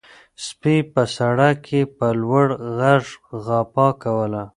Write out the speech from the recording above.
سپي په سړک کې په لوړ غږ غپا کوله.